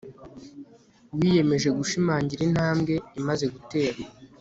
wiyemeje gushimangira intambwe imaze guterwa